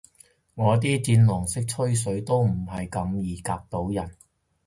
我啲戰狼式吹水都唔係咁易夾到人